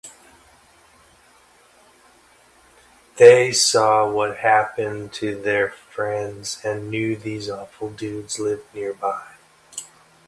They saw what happened to their friends and knew these awful dudes lived nearby.